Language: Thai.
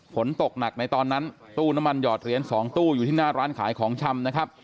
ฝนตกหนักในตอนนั้นตู้น้ำมันหอดเหรียญ๒ตู้อยู่ที่หน้าร้านขายของชำนะครับ